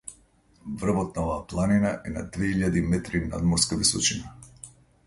Врвот на оваа планина е на две илјади метри надморска височина.